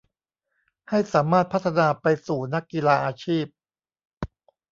ให้สามารถพัฒนาไปสู่นักกีฬาอาชีพ